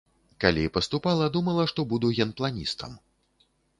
Калі паступала, думала, што буду генпланістам.